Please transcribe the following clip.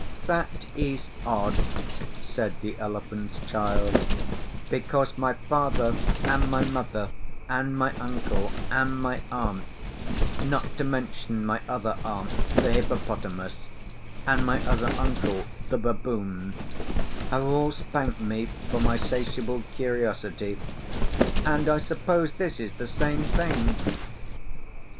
'That is odd,' said the Elephant's Child, 'because my father and my mother, and my uncle and my aunt, not to mention my other aunt, the Hippopotamus, and my other uncle, the Baboon, have all spanked me for my 'satiable curtiosity and I suppose this is the same thing.